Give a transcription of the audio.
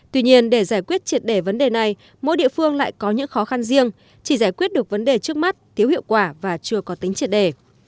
tuy nhiên để giải quyết triệt đề vấn đề này mỗi địa phương lại có những khó khăn riêng chỉ giải quyết được vấn đề trước mắt thiếu hiệu quả và chưa có tính triệt đề